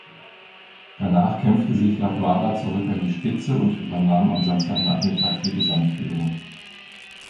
Danach kämpfte sich Latvala zurück an die Spitze und übernahm am Samstagnachmittag die Gesamtführung.